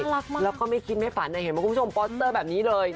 แล้วก็ไม่คิดไม่ฝันเห็นไหมคุณผู้ชมโปสเตอร์แบบนี้เลย